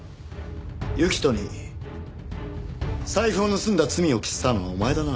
行人に財布を盗んだ罪を着せたのはお前だな？